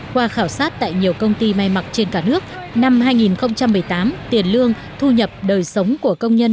qua khảo sát tại nhiều công ty may mặc trên cả nước năm hai nghìn một mươi tám tiền lương thu nhập đời sống của công nhân